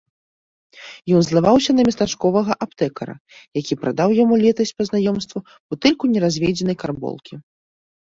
Ён злаваўся на местачковага аптэкара, які прадаў яму летась па знаёмству бутэльку неразведзенай карболкі.